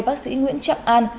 bác sĩ nguyễn trọng an